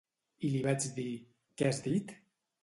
I li vaig dir: “Què has dit?”